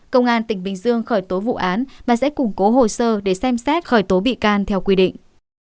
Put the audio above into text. công an tỉnh bình dương khởi tố vụ án và sẽ củng cố hồ sơ để xem xét khởi tố bị can theo quy định